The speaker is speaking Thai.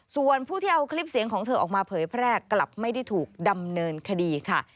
ส่วนผู้ที่เอาคลิปเสียงของเธอออกมาเผยแพร่กลับไม่ได้ถูกดำเนินคดีค่ะ